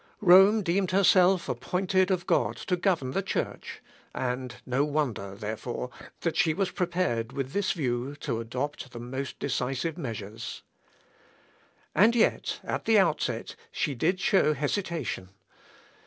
Rome deemed herself appointed of God to govern the Church; and no wonder, therefore, that she was prepared with this view to adopt the most decisive measures. And yet, at the outset, she did show hesitation.